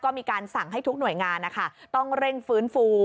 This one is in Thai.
ก็มีการสั่งให้ทุกหน่วยงานต้องเร่งฟื้นฟู